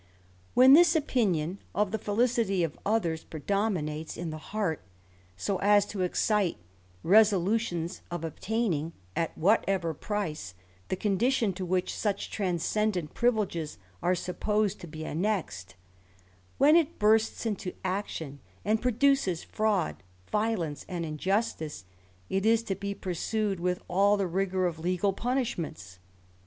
When this opinion of the felicity of others predominates in the heart, so as to excite resolutions of obtaming, at whatever price, the condition to which such transcendent privileges are supposed to be annexed; when it bursts into action, and produces fraud, violence, and injustice, it is to be pursued with ail the rigour of legal punishments.